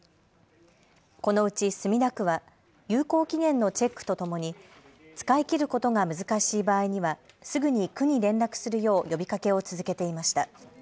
このうち墨田区は有効期限のチェックとともに使い切ることが難しい場合にはすぐに区に連絡するよう呼びかけを続けていました。